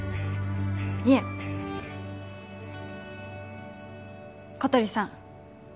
いえ小鳥さん